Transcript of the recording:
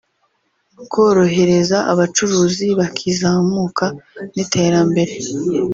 korohereza abacuruzi bakizamuka n’iterambere